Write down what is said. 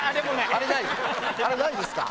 あれないですか。